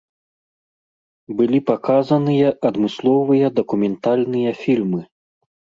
Былі паказаныя адмысловыя дакументальныя фільмы.